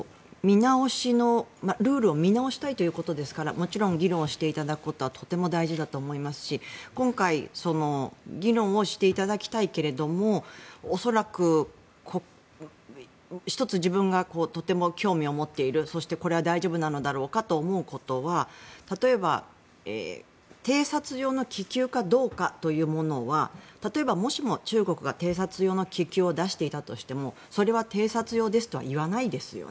ルールを見直したいということですからもちろん議論をしていただくことはとても大事だと思いますし今回、議論をしていただきたいけれども恐らく、１つ自分がとても興味を持っているそしてこれは大丈夫なのだろうかと思うことは例えば、偵察用の気球かどうかというものは例えば、もしも中国が偵察用の気球を出していたとしてもそれは偵察用ですとは言わないですよね。